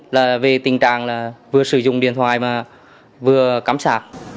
là về tình trạng là vừa sử dụng điện thoại mà vừa cắm sạc